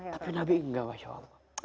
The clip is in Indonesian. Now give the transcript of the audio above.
tapi nabi enggak masya allah